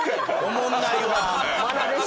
おもんない。